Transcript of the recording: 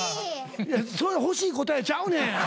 それ欲しい答えちゃうねん。